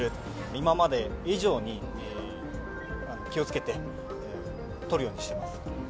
今まで以上に気をつけてとるようにしてます。